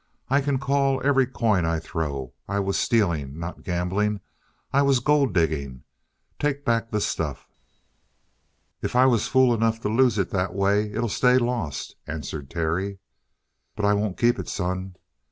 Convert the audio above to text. I can call every coin I throw. I was stealing, not gambling. I was gold digging! Take back the stuff!" "If I was fool enough to lose it that way, it'll stay lost," answered Terry. "But I won't keep it, son."